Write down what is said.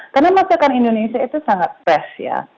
karena masakan indonesia itu sangat fresh ya